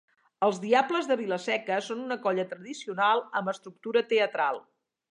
Els Diables de Vila-seca són una colla tradicional, amb estructura teatral.